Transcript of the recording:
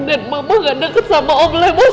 dan mama gak deket sama om lemos